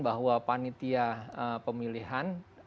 bahwa panitia pemilihan